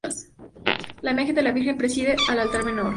La imagen de la Virgen preside el altar mayor.